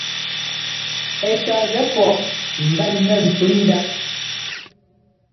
Ɛ ka gɛ pɔʼ mbɛn nɛ́ ntsǔnda.